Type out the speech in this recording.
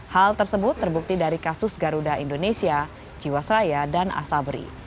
hal tersebut terbukti dari kasus garuda indonesia jiwasraya dan asabri